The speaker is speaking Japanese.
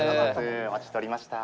お待ちしておりました。